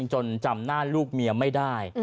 จนจำหน้าลูกเมียไม่ได้